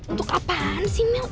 untuk apaan sih mel